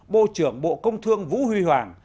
bộ trưởng bộ công thương vũ huy hoàng